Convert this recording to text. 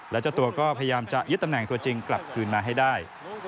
และเจ้าตัวก็พยายามจะยึดตำแหน่งตัวจริงกลับคืนมาให้ได้